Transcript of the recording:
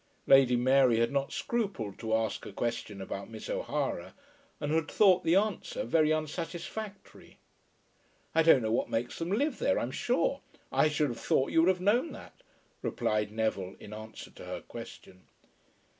Lady Mary had not scrupled to ask a question about Miss O'Hara, and had thought the answer very unsatisfactory. "I don't know what makes them live there, I'm sure. I should have thought you would have known that," replied Neville, in answer to her question.